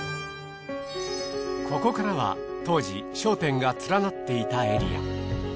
ここからは当時商店が連なっていたエリア。